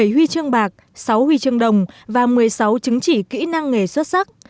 bảy huy chương bạc sáu huy chương đồng và một mươi sáu chứng chỉ kỹ năng nghề xuất sắc